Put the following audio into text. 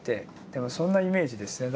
でもそんなイメージですね。